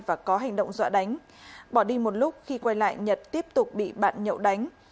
và có hành động dọa đánh bỏ đi một lúc khi quay lại nhật tiếp tục bị bạn nhậu đánh